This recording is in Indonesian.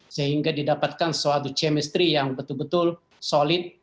sehingga didapatkan suatu chemistry yang betul betul solid